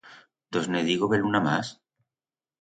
Tos ne digo beluna mas?